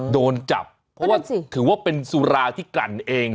โดนจับเพราะถึงว่าเป็นสุราที่กันเอง